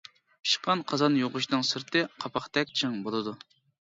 پىشقان قازان يۇغۇچنىڭ سىرتى قاپاقتەك چىڭ بولىدۇ.